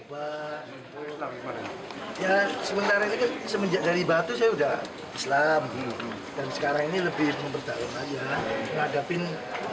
lepas pasir putih nusa kambangan